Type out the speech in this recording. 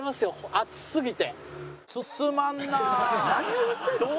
暑すぎて。